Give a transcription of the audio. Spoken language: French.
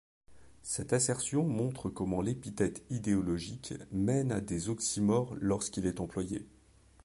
Cette assertion montre comment l’épithète idéologique mène à des oxymores lorsqu’il est employé.